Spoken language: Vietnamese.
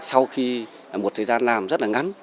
sau khi một thời gian làm rất là ngắn